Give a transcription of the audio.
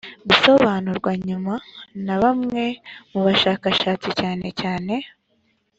gusobanurwa nyuma na bamwe mu bashakashatsi cyanecyane